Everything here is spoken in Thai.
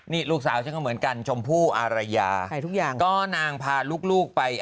นี่ลูกสาวฉันก็เหมือนกันชมพู่อารยาไปทุกอย่างก็นางพาลูกไป